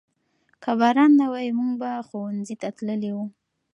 که باران نه وای موږ به ښوونځي ته تللي وو.